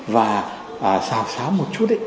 và xào xáo một chút